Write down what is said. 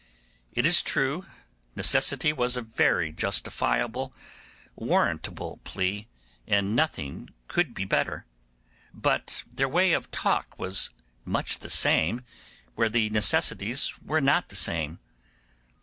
It is true, necessity was a very justifiable, warrantable plea, and nothing could be better; but their way of talk was much the same where the necessities were not the same.